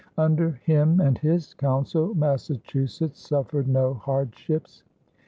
Under him and his council Massachusetts suffered no hardships.